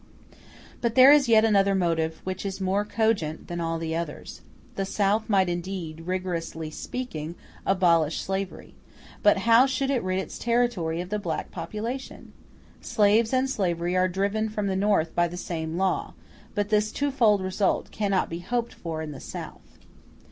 But there is yet another motive which is more cogent than all the others: the South might indeed, rigorously speaking, abolish slavery; but how should it rid its territory of the black population? Slaves and slavery are driven from the North by the same law, but this twofold result cannot be hoped for in the South.